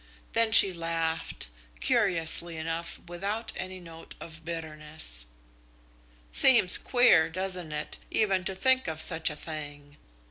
Then she laughed, curiously enough without any note of bitterness. "Seems queer, doesn't it, even to think of such a thing!